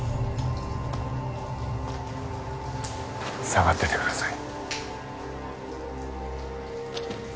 下がっててください。